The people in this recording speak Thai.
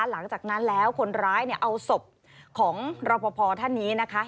หลังจากนั้นแล้วคนร้ายเนี่ยเอาศพของรพท่านนี้นะครับ